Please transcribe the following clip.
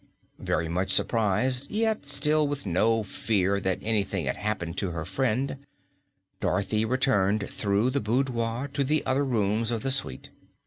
Very much surprised, yet still with no fear that anything had happened to her friend, Dorothy returned through the boudoir to the other rooms of the suite.